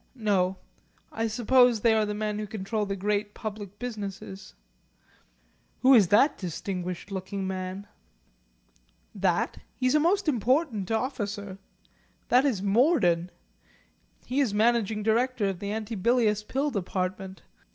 No. I suppose they are the men who control the great public businesses. Who is that distinguished looking man?" "That? He's a most important officer. That is Morden. He is managing director of the Antibilious Pill Department.